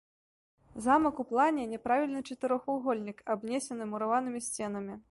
Замак у плане няправільны чатырохвугольнік, абнесены мураванымі сценамі.